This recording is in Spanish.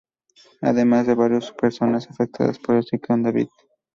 Además de barrios con personas afectadas por el ciclón David.